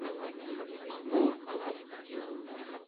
qerrutuq